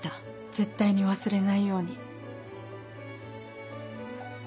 絶対に忘れないように。